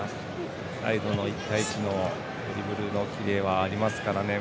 １対１のドリブルのキレはありますからね。